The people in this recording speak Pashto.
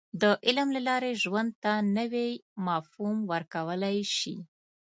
• د علم له لارې، ژوند ته نوی مفهوم ورکولی شې.